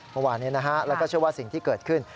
เมื่อวานนี้นะฮะแล้วก็เชื่อว่าสิ่งที่เกิดขึ้น